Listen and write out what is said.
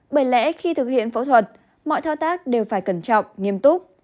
bởi lẽ khi thực hiện phẫu thuật mọi thao tác đều phải cẩn trọng nghiêm túc